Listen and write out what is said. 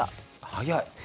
早い！